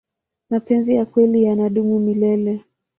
mapenzi ya kweli yanadumu milele